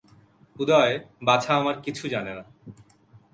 উদয়– বাছা আমার কিছু জানে না।